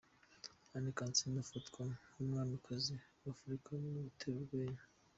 Anne Kansiime afatwa nk'umwamikazi wa Afrika mu gutera urwenya.